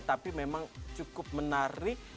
tapi memang cukup menarik